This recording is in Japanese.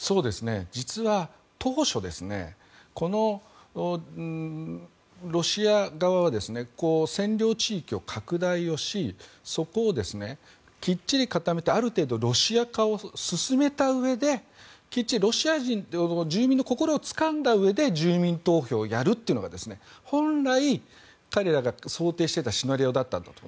実は、当初ロシア側は占領地域を拡大し、そこをきっちり固めて、ある程度ロシア化を進めたうえできっちり住民の心をつかんだうえで住民投票をやるというのが、本来彼らが想定していたシナリオ。